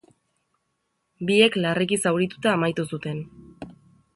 Biek larriki zaurituta amaitu zuten.